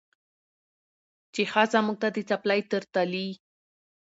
چې ښځه موږ ته د څپلۍ تر تلي